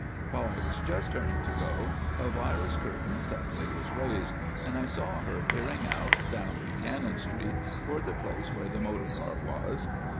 "While I was just turning to go, Elvira's curtain suddenly was raised, and I saw her peering out down Buchanan Street toward the place where the motor car was.